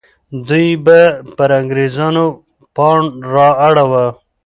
دوی به پر انګریزانو پاڼ را اړوه.